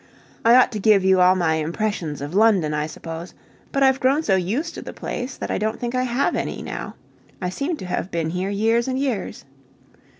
I ought to give you all my impressions of London, I suppose; but I've grown so used to the place that I don't think I have any now. I seem to have been here years and years.